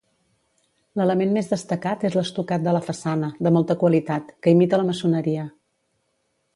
L'element més destacat és l'estucat de la façana, de molta qualitat, que imita la maçoneria.